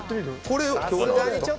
これ。